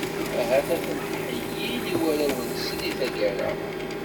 Ahat ad ten-heyyin i warraw-nsen, i tagara.